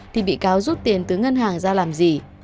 thì bị cáo rút tiền từ ngân hàng ra làm gì